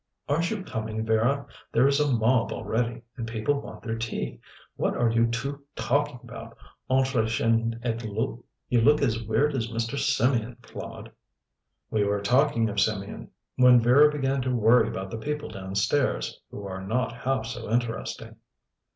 "Aren't you coming, Vera? There is a mob already, and people want their tea. What are you two talking about, entre chien et loup? You look as weird as Mr. Symeon, Claude." "We were talking of Symeon, when Vera began to worry about the people downstairs, who are not half so interesting."